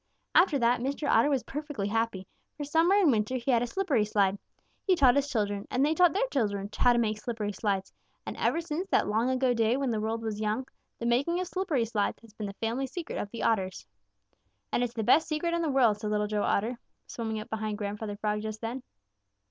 After that Mr. Otter was perfectly happy, for summer and winter he had a slippery slide. He taught his children, and they taught their children how to make slippery slides, and ever since that long ago day when the world was young, the making of slippery slides has been the family secret of the Otters." "And it's the best secret in the world," said Little Joe Otter, swimming up behind Grandfather Frog just then.